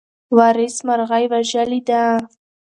وارث مرغۍ وژلې ده.